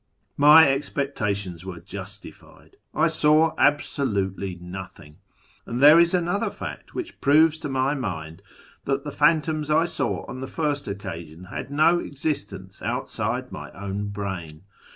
My expectations were justified ; I saw absolutely nothing. And there is another fact which proves to my mind that the phantoms I saw on the first occasion had no existence outside my own brain.